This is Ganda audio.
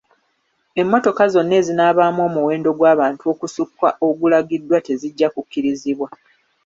Emmotoka zonna ezinaabaamu omuwendo gw'abantu okusukka ogulagiddwa tezijja kukkirizibwa.